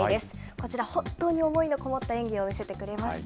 こちら、本当に思いの込もった演技を見せてくれました。